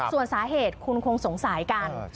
ส่วนสาเหตุคุณคงสงสัยกัน